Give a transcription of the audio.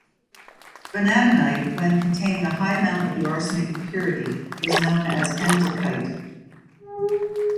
Vanadinite when containing a high amount of the arsenic impurity is known as endlichite.